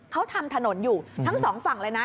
เขาทำถนนอยู่ทั้งสองฝั่งเลยนะ